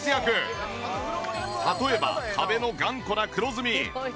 例えば壁の頑固な黒ずみ。